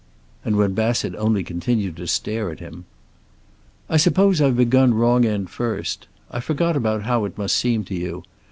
And, when Bassett only continued to stare at him: "I suppose I've begun wrong end first. I forgot about how it must seem to you.